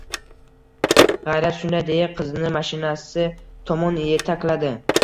G`ayrat shunday deya qizini mashinasi tomon etakladi